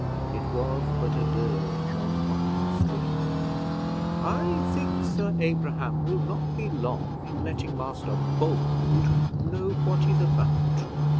It was but a dirge on one string. "I think Sir Abraham will not be long in letting Master Bold know what he's about.